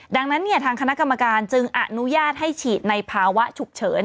ดังนั้นทางคณะกรรมการจึงอนุญาตให้ฉีดในภาวะฉุกเฉิน